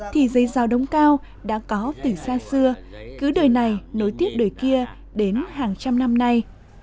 thì dây rào đống cao đã có từ xa xưa cứ đời này nối tiếp đời kia đến hàng trăm năm nay